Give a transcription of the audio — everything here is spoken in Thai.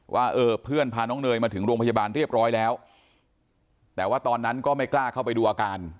ว่าเออเพื่อนพาน้องเนยมาถึงโรงพยาบาลเรียบร้อยแล้วแต่ว่าตอนนั้นก็ไม่กล้าเข้าไปดูอาการ